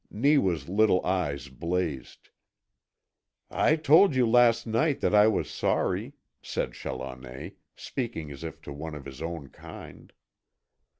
Neewa's little eyes blazed. "I told you last night that I was sorry," said Challoner, speaking as if to one of his own kind.